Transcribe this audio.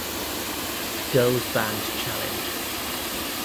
Girls Band Challenge.